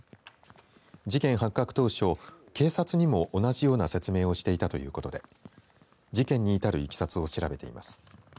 事件発覚当初警察にも同じような説明をしていたということで事件に至るいきさつを調べています。